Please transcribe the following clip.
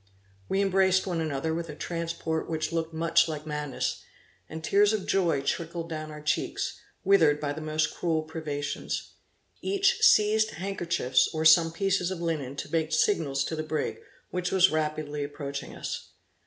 We embraced one another with a transport which looked much like madness, and tears of joy trickled down our cheeks, withered by the most cruel privations. Each seized handkerchiefs, or some pieces of linen, to make signals to the brig, which was rapidly approaching us.